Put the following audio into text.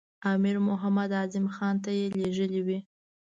امیر محمد اعظم خان ته یې لېږلی وي.